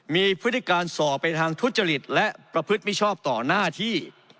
มีพฤติการสอบไปทางทุจริตและประพฤติมิชอบต่อหน้าที่